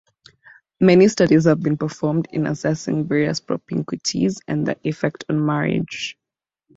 Many studies have been performed in assessing various propinquities and their effect on marriage.